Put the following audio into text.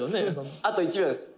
「あと１秒です」